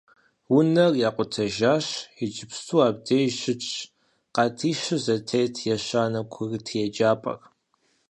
Унэр якъутэжащ, иджыпсту абдеж щытщ къатищу зэтет ещанэ курыт еджапӏэр.